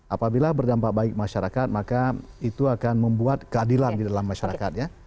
apabila berdampak baik masyarakat maka itu akan membuat keadilan di dalam masyarakat ya